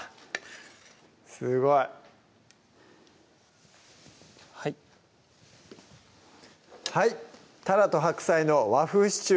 すごいはいはい「タラと白菜の和風シチュー」